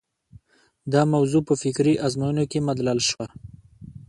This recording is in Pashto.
دا موضوع په فکري ازموینو کې مدلل شوه.